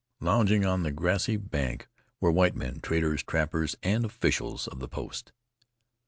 Lounging on the grassy bank were white men, traders, trappers and officials of the post.